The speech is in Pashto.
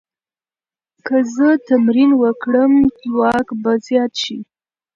که زه تمرین وکړم، ځواک به زیات شي.